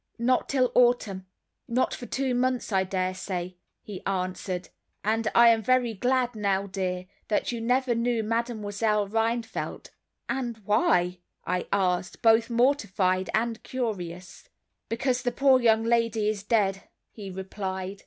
"Not till autumn. Not for two months, I dare say," he answered. "And I am very glad now, dear, that you never knew Mademoiselle Rheinfeldt." "And why?" I asked, both mortified and curious. "Because the poor young lady is dead," he replied.